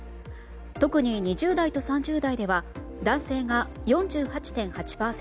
特に、２０代と３０代では男性が４８．８％